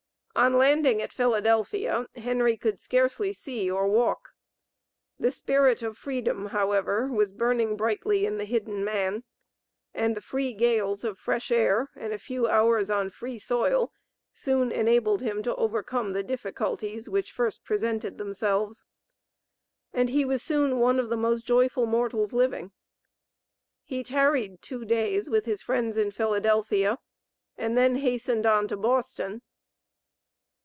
On landing at Philadelphia, Henry could scarcely see or walk; the spirit of freedom, however, was burning brightly in the hidden man, and the free gales of fresh air and a few hours on free soil soon enabled him to overcome the difficulties which first presented themselves, and he was soon one of the most joyful mortals living. He tarried two days with his friends in Philadelphia, and then hastened on to Boston.